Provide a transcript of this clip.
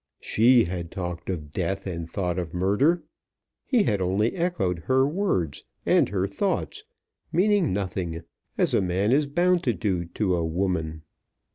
She had talked of death and thought of murder. He had only echoed her words and her thoughts, meaning nothing, as a man is bound to do to a woman.